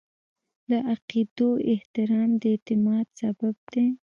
د عقایدو احترام د اعتماد سبب دی.